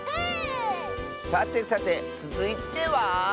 さてさてつづいては。